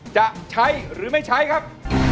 จะใช้หรือไม่ใช้ครับ